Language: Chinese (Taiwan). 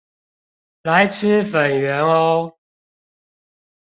來吃粉圓喔